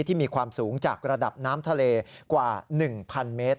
ที่มีความสูงจากระดับน้ำทะเลกว่า๑๐๐เมตร